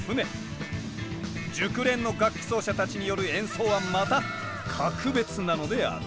熟練の楽器奏者たちによる演奏はまた格別なのである。